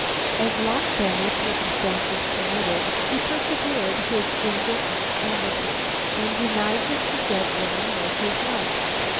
As long then as circumstances permitted, he preserved his indifferent attitude, and denied that the dead woman was his wife.